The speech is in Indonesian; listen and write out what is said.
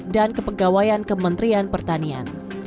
dan kepegawaian kementerian pertanian